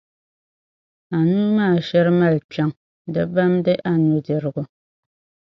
a nuu maa shiri mali kpiɔŋ, di bamdi a nudirigu.